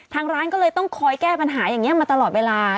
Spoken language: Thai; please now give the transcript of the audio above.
ทางร้านก็เลยต้องคอยแก้ปัญหาอย่างนี้มาตลอดเวลา